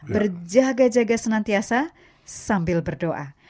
berjaga jaga senantiasa sambil berdoa